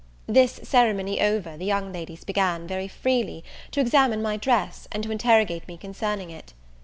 This ceremony over, the young ladies begun, very freely, to examine my dress, and to interrogate me concerning it.